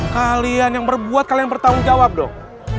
kalian yang berbuat kalian bertanggung jawab dong